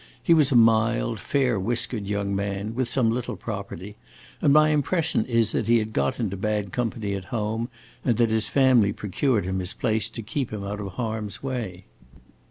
He was a mild, fair whiskered young man, with some little property, and my impression is that he had got into bad company at home, and that his family procured him his place to keep him out of harm's way.